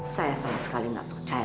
saya sama sekali tidak percaya